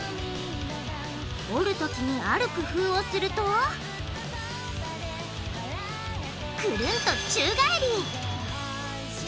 折るときにある工夫をするとクルンと宙返り！